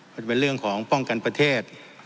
จะเป็นเรื่องของป้องกันประเทศ